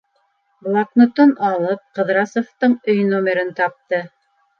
- Блокнотын алып, Ҡыҙрасовтың өй номерын тапты.